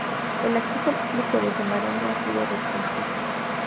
El acceso al público desde Maraña ha sido restringido.